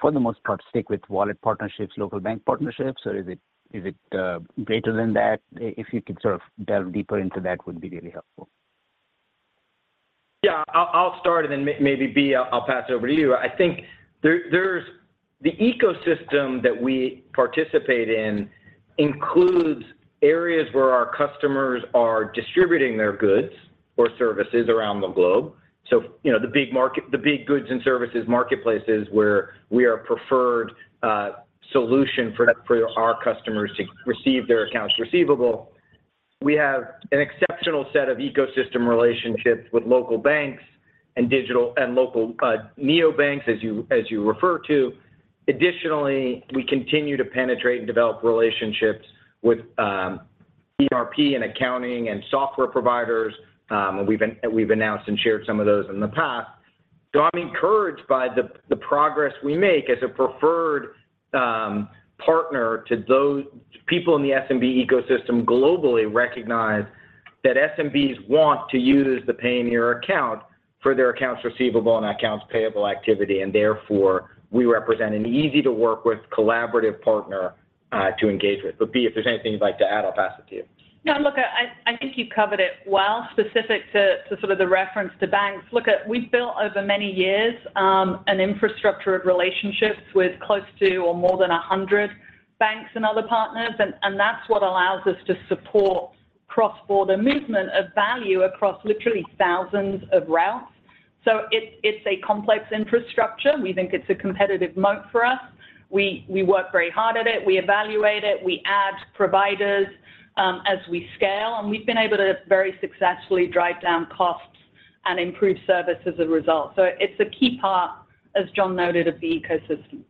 for the most part, stick with wallet partnerships, local bank partnerships, or is it, is it greater than that? If you could sort of delve deeper into that, would be really helpful. Yeah, I'll, I'll start, and then may- maybe, Bea, I'll pass it over to you. I think there, there's the ecosystem that we participate in includes areas where our customers are distributing their goods or services around the globe. you know, the big market-- the big goods and services marketplaces where we are a preferred solution for that, for our customers to receive their accounts receivable. We have an exceptional set of ecosystem relationships with local banks and digital and local neobanks, as you, as you refer to. Additionally, we continue to penetrate and develop relationships with ERP and accounting and software providers. we've an- we've announced and shared some of those in the past. I'm encouraged by the, the progress we make as a preferred partner to those people in the SMB ecosystem globally recognize that SMBs want to use the Payoneer account for their accounts receivable and accounts payable activity, and therefore, we represent an easy-to-work-with collaborative partner to engage with. Bea, if there's anything you'd like to add, I'll pass it to you. No, look, I, I think you covered it well, specific to, to sort of the reference to banks. Look, we've built over many years, an infrastructure of relationships with close to or more than 100 banks and other partners, and that's what allows us to support cross-border movement of value across literally thousands of routes. It's, it's a complex infrastructure. We think it's a competitive moat for us. We, we work very hard at it. We evaluate it. We add providers, as we scale, and we've been able to very successfully drive down costs and improve service as a result. It's a key part, as John noted, of the ecosystem.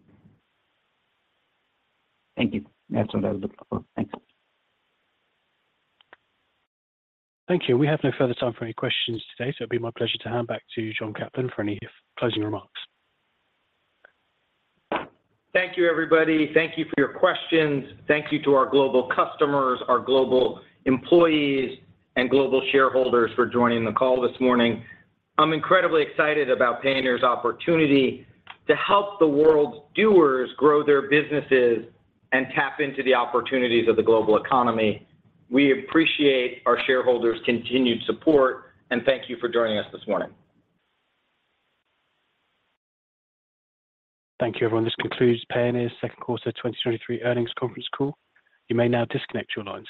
Thank you. That's what I was looking for. Thanks. Thank you. We have no further time for any questions today, so it'd be my pleasure to hand back to John Caplan for any closing remarks. Thank you, everybody. Thank you for your questions. Thank you to our global customers, our global employees, and global shareholders for joining the call this morning. I'm incredibly excited about Payoneer's opportunity to help the world's doers grow their businesses and tap into the opportunities of the global economy. We appreciate our shareholders' continued support, and thank you for joining us this morning. Thank you, everyone. This concludes Payoneer's second quarter 2023 earnings conference call. You may now disconnect your lines.